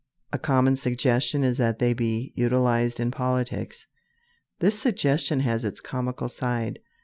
A common suggestion is that they be utilized in politics. This suggestion has its comical side.